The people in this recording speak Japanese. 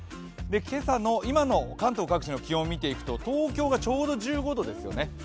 今朝の今の関東各地の気温を見ていくと東京がちょうど１５度ですよね。